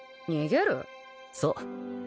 そう。